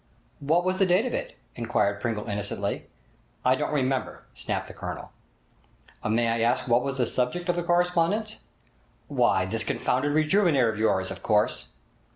'What was the date of it?' inquired Pringle innocently. 'I don't remember!' snapped the Colonel. 'May I ask what was the subject of the correspondence?' 'Why, this confounded "Rejuvenator" of yours, of course!'